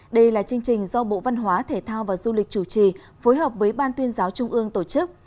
đây là chương trình do bộ văn hóa thể thao và du lịch chủ trì phối hợp với ban tuyên giáo trung ương tổ chức